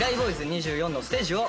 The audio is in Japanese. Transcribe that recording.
２４のステージを。